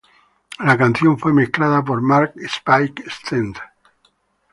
La canción fue mezclada por Mark 'Spike' Stent.